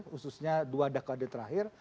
khususnya dua dekade terakhir